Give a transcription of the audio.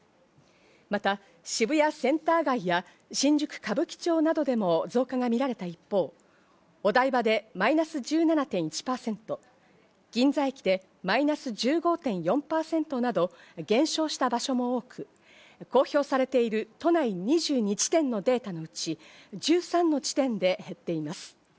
また渋谷センター街や新宿・歌舞伎町などでも増加が見られた一方、お台場でマイナス１７．１％、銀座駅でマイナス１５．４％など減少した場所も多く公表されている都内２２地点のデータのうち、１３の地点で減っています。